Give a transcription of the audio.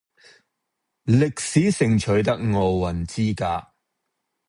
歷史性取得奧運資格